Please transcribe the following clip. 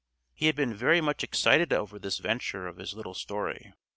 He had been very much excited over this venture of his little story.